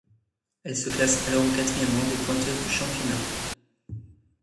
Elle se classe alors au quatrième rang des pointeuses du championnat.